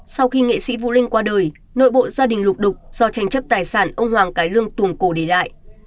sau khi nghệ sĩ vũ linh qua đời nội bộ gia đình lục đục do tranh chấp tài sản ông hoàng cái lương tuồng cổ để lại